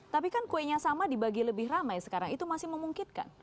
tapi kan kuenya sama dibagi lebih ramai sekarang itu masih memungkinkan